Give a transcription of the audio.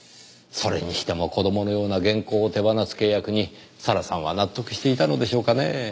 それにしても子供のような原稿を手放す契約に咲良さんは納得していたのでしょうかねぇ？